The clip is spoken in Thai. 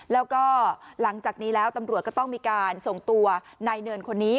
แล้วก็หลังจากนี้แล้วตำรวจก็ต้องมีการส่งตัวนายเนินคนนี้